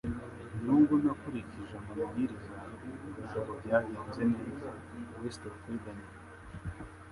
Nubwo nakurikije amabwiriza ntabwo byagenze neza (WestofEden)